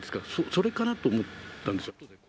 それかなと思ったんですよ。